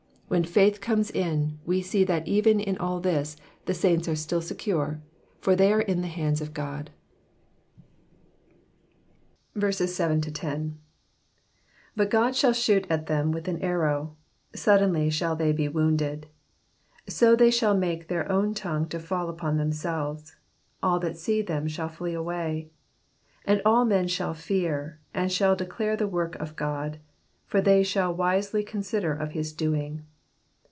When faith comes in, we see that even in all this the saints are still secure, for they are all in the hands of God. 7 But God shall shoot at them with an arrow ; suddenly shall they be wounded. 8 So they shall make their own tongue to fall upon themselves : all that see them shall flee away. 9 And all men shall fear, and shall declare the work of God ; for they shall wisely consider of his doing.